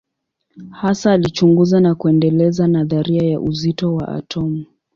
Hasa alichunguza na kuendeleza nadharia ya uzito wa atomu.